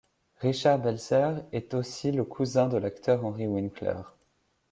Richard Belzer est aussi le cousin de l'acteur Henry Winkler.